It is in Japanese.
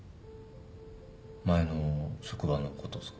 前の職場のことですか？